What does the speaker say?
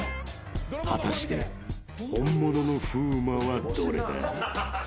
［果たして本物の風磨はどれだ？］